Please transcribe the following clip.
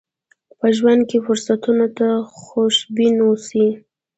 په ژوند کې فرصتونو ته خوشبين اوسئ.